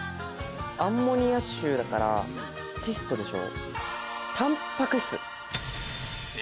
アンモニア臭だから窒素でしょ。